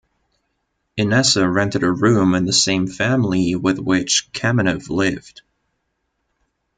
Inessa rented a room in the same family with which Kamenev lived.